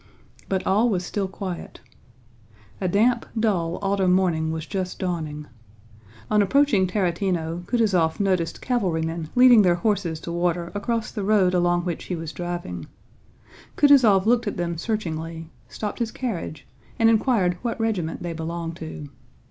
But all was still quiet. A damp dull autumn morning was just dawning. On approaching Tarútino Kutúzov noticed cavalrymen leading their horses to water across the road along which he was driving. Kutúzov looked at them searchingly, stopped his carriage, and inquired what regiment they belonged to.